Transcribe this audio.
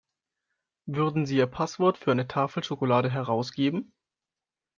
Würden Sie Ihr Passwort für eine Tafel Schokolade herausgeben?